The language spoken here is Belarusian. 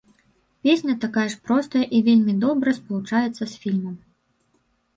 Песня такая ж простая і вельмі добра спалучаецца з фільмам.